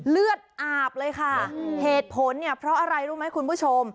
เลือดอาบเลยค่ะเหตุผลเนี่ยเพราะอะไรรู้ไหมคุณผู้ชม